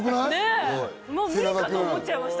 もう無理かと思っちゃいました。